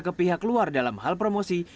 ke pihak luar dalam hal promosi